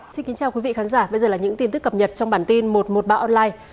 xin kính chào quý vị khán giả bây giờ là những tin tức cập nhật trong bản tin một trăm một mươi ba online